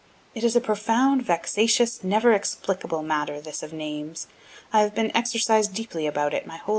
(It is a profound, vexatious never explicable matter this of names. I have been exercised deeply about it my whole life.